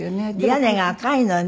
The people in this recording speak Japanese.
屋根が赤いのよね。